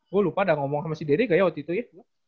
gue lupa ada ngomong sama si dede gak ya waktu itu ya